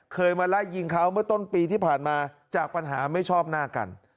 เคยมาไล่ยิงเขาเมื่อต้นปีที่ผ่านมาจากปัญหาไม่ชอบหน้ากัน